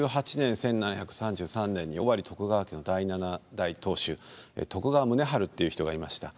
享保１８年１７３３年に尾張徳川家第七代当主徳川宗春という人がいました。